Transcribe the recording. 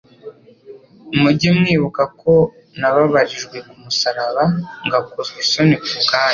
mujye mwibuka ko nabababarijwe ku musaraba, ngakozwa isoni ku bwanyu.